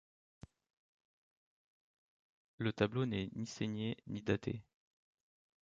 Le tableau n'est ni signé, ni daté.